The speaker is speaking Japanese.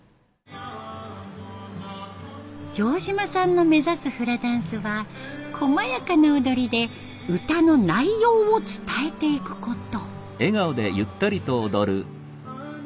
城島さんの目指すフラダンスは細やかな踊りで歌の内容を伝えていくこと。